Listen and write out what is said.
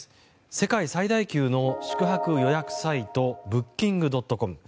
世界最大級の宿泊予約サイトブッキングドットコム。